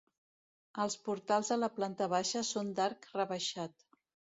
Els portals de la planta baixa són d'arc rebaixat.